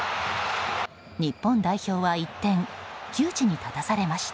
日本代表は一転、窮地に立たされました。